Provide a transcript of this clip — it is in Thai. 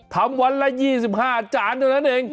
วันละ๒๕จานเท่านั้นเอง